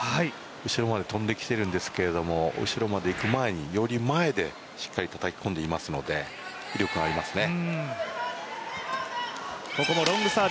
後ろまで飛んできているんですけれども、後ろまでいく前に、より前でたたき込んでいますので威力がありますね。